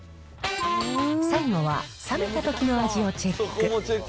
最後は、冷めたときの味をチェック。